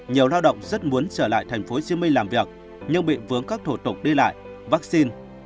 nhiều lao động rất muốn trở lại tp hcm làm việc nhưng bị vướng các thủ tục đi lại vaccine